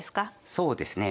そうですね。